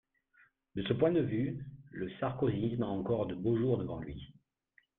De ce point de vue, le sarkozysme a encore de beaux jours devant lui.